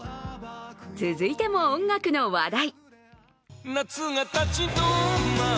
続いても音楽の話題。